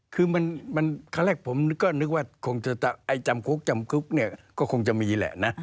คือมันครั้งแรกผมก็นึกว่าคงจะไอ้จำคุกจำคุกเนี่ยก็คงจะมีแหละนะ